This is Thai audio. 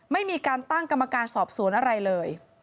ไม่มีการตั้งกรรมการสอบสวนอะไรเลย